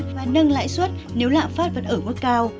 và nâng lãi suất nếu lạm phát vẫn ở mức cao